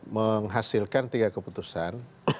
menghasilkan tiga keputusan